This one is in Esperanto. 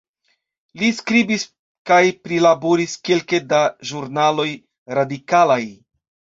Li skribis kaj prilaboris kelke da ĵurnaloj radikalaj.